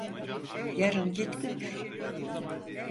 Yarın git gör…